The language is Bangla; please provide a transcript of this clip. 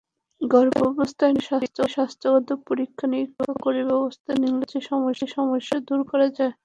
গর্ভাবস্থায় নারীদের স্বাস্থ্যগত পরীক্ষা–নিরীক্ষা করে ব্যবস্থা নিলে সহজে সমস্যা দূর করা যায়।